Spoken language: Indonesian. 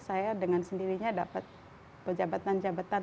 saya dengan sendirinya dapat pejabatan jabatan